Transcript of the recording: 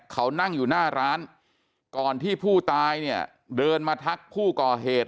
เขานั่งอยู่หน้าร้านก่อนที่ผู้ตายเนี่ยเดินมาทักผู้ก่อเหตุ